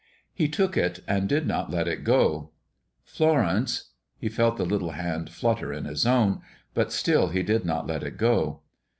He took it, and did not let it go. "Florence!" He felt the little hand flutter in his own, but still he did not let it go.